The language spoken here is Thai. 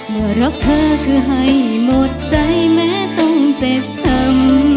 บอกรักเธอคือให้หมดใจแม้ต้องเจ็บช้ำ